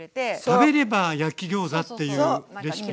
食べれば焼きギョーザっていうレシピ？